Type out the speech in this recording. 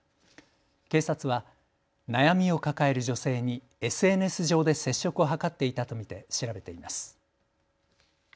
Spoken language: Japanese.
警察は悩みを抱える女性にＳＮＳ上で接触を図っていたと見て調べています。